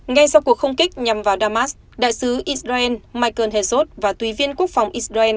ngay sau cuộc không kích nhằm vào damas đại sứ israel michael hezo và tùy viên quốc phòng israel